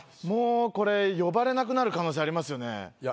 もうこれ呼ばれなくなる可能性ありますよね。